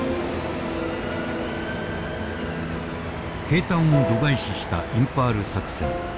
兵站を度外視したインパール作戦。